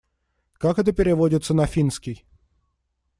Как это переводится на финский?